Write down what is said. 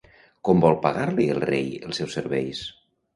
Com vol pagar-li el rei els seus serveis?